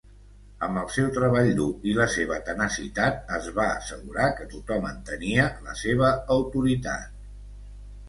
Amb el seu treball dur i la seva tenacitat, es va assegurar que tothom entenia la seva autoritat.